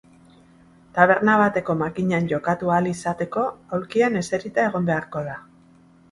Taberna bateko makinan jokatu ahal izateko aulkian eserita egon beharko da.